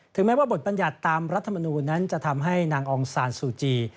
ถึงแม้ว่าบทบรรยาตรตามรัฐมนุนนั้นจะทำให้นางองค์ซานซูจี